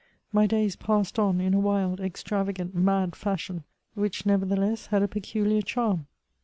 My days passed on in a wild, extravagant, mad fashion— which nevertheless had a peculiar charm.